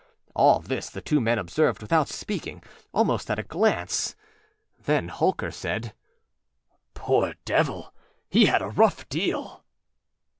All this the two men observed without speakingâalmost at a glance. Then Holker said: âPoor devil! he had a rough deal.